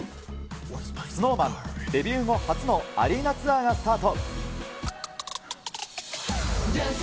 ＳｎｏｗＭａｎ、デビュー後初のアリーナツアーがスタート。